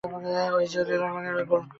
অই যে নীল রঙের গোলকটা আরকি!